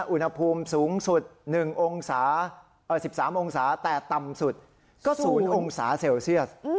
อุณหภูมิสูงสุด๑๓องศาแต่ต่ำสุดก็๐องศาเซลเซียส